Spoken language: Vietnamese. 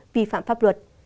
vi phạm pháp luật